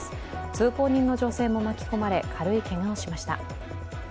通行人の女性も巻き込まれ、軽いけがをしました。